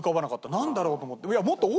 なんだろう？と思って。